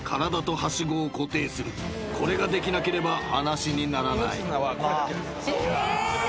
［これができなければ話にならない］